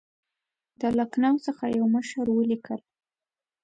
د لکنهو څخه یوه مشر ولیکل.